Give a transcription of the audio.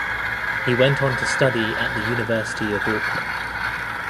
He went on to study at the University of Auckland.